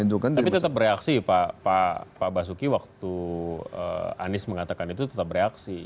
tapi tetap bereaksi pak basuki waktu anies mengatakan itu tetap bereaksi